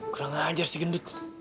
kurang ajar si gendut